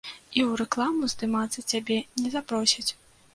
І ў рэкламу здымацца цябе не запросяць.